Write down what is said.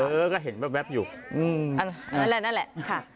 เออก็เห็นแบบอยู่นั่นแหละค่ะ